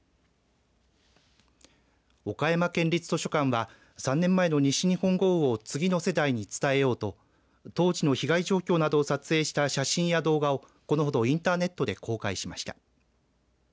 岡山県立図書館は３年前の西日本豪雨を次の世代に伝えようと当時の被害状況など撮影した写真や動画をこのほどインターネットで公開しました。